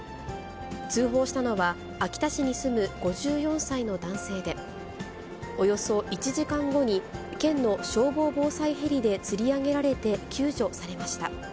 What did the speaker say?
通報したのは、秋田市に住む５４歳の男性で、およそ１時間後に県の消防防災ヘリでつり上げられて救助されました。